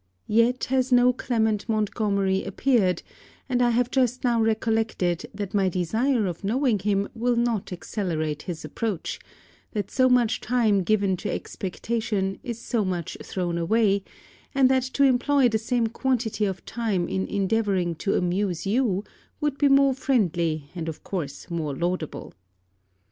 Yet has no Clement Montgomery appeared; and I have just now recollected that my desire of knowing him will not accelerate his approach, that so much time given to expectation is so much thrown away, and that to employ the same quantity of time in endeavouring to amuse you would be more friendly and of course more laudable.